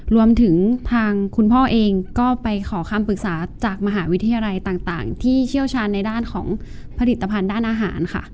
รวมถึงทางคุณพ่อเองก็ไปขอคำปรึกษาจากมหาวิทยาลัยต่างที่เชี่ยวชาญในด้านของผลิตภัณฑ์ด้านอาหารค่ะ